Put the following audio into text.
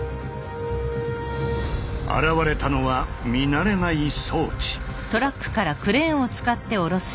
現れたのは見慣れない装置。